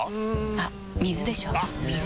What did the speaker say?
あっ水でしょ！